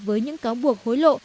với những cáo buộc hối lộ